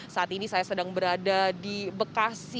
saat ini saya sedang berada di bekasi